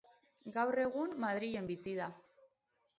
Gaur egun Madrilen bizi da.